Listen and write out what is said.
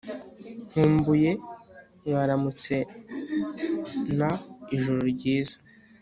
nkumbuye mwaramutse na ijoro ryiza